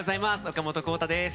岡本幸太です。